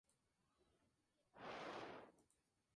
Su capital es la ciudad de Nuevo Brandeburgo.